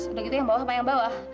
udah gitu yang bawah apa yang bawah